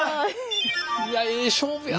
いやええ勝負やったな。